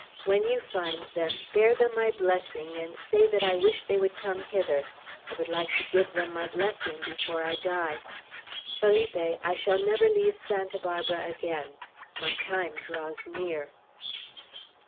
When you find them, bear them my blessing, and say that I wish they would come hither. I would like to give them my blessing before I die. Felipe, I shall never leave Santa Barbara again. My time draws near."